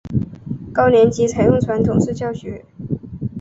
高年级采用传统式教学。